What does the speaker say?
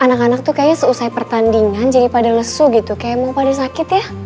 anak anak tuh kayaknya seusai pertandingan jadi pada lesu gitu kayak emang pada sakit ya